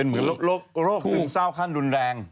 เหมือนโรคซึมเศร้าขั้นรุนแรง